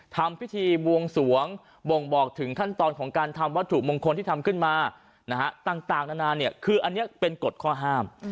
ทำพิธีบวงสวงบ่งบอกถึงขั้นตอนของการทำวัตถุมงคลที่ทำขึ้นมาต่างนานาเนี่ยคืออันนี้เป็นกฎข้อห้าม